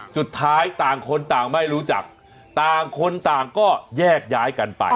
ต่างคนต่างไม่รู้จักต่างคนต่างก็แยกย้ายกันไป